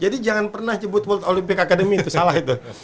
jadi jangan pernah nyebut world olympic academy itu salah itu